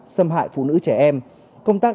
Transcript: xâm hại phụ nữ trẻ em công tác